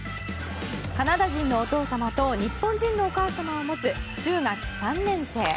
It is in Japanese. カナダ人のお父様と日本人のお母さまを持つ中学３年生。